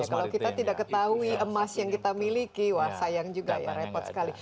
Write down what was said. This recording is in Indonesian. kalau kita tidak ketahui emas yang kita miliki wah sayang juga ya repot sekali